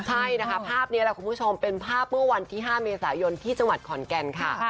ใช่นะคะภาพนี้แหละคุณผู้ชมเป็นภาพเมื่อวันที่๕เมษายนที่จังหวัดขอนแก่นค่ะ